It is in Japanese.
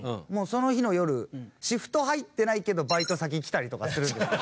その日の夜シフト入ってないけどバイト先に来たりとかするんですよ。